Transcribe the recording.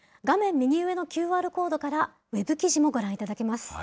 右上のＱＲコードからウェブ記事もご覧いただけます。